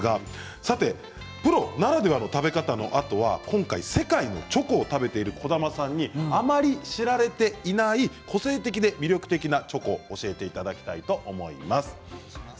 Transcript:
さてプロならではの食べ方などは世界のチョコを食べている児玉さんにあまり知られていないけど個性的で魅力的なチョコを教えていただきたいと思います。